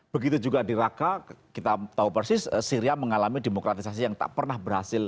begitu juga di raqqa kita tahu persis syria mengalami demokratisasi yang tak pernah berhasil